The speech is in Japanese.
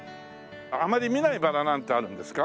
あまり見ないバラなんてあるんですか？